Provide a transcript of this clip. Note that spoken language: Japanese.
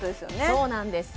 そうなんです